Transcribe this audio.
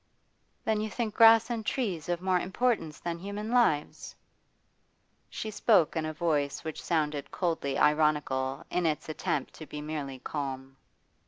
'Then you think grass and trees of more importance than human lives?' She spoke in a voice which sounded coldly ironical in its attempt to be merely calm.